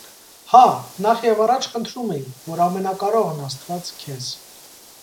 - Հա, նախ և առաջ խնդրում էի, որ ամենակարողն աստված քեզ…